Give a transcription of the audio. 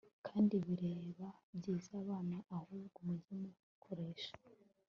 kandi bibera byiza abana Ahubwo mujye mukoresha